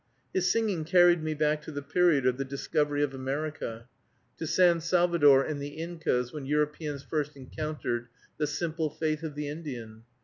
His singing carried me back to the period of the discovery of America, to San Salvador and the Incas, when Europeans first encountered the simple faith of the Indian.